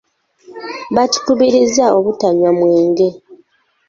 Baatukubiriza obutanywa mwenge.